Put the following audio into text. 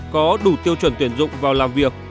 có đủ tiêu chuẩn tuyển dụng vào làm việc